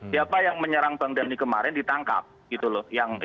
siapa yang menyerang bang dhani kemarin ditangkap gitu loh